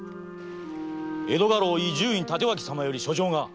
江戸家老・伊集院帯刀様より書状が。